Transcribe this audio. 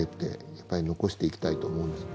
やっぱり残していきたいと思うんです